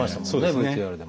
ＶＴＲでも。